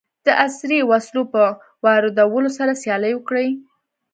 د عصري وسلو په واردولو سره سیالي وکړي.